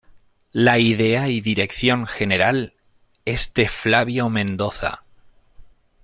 La idea y dirección general, es de Flavio Mendoza.